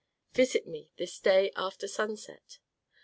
_Visit me this day after sunset.